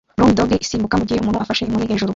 Brown Dog isimbuka mugihe umuntu afashe inkoni hejuru